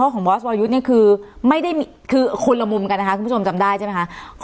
คือไม่ได้มีคือคนละมุมกันค่ะคุณผู้ชมจำได้ใช่ไหมฮะ